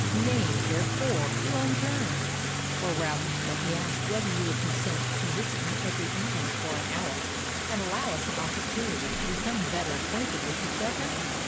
Name, therefore, your own terms. Or rather, let me ask whether you will consent to visit me every evening for an hour, and allow us an opportunity to become better acquainted with each other?"